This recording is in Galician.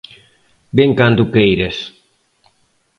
Ven cando queiras.